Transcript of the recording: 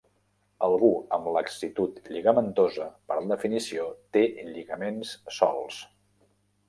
Algú amb laxitud lligamentosa, per definició, té lligaments solts.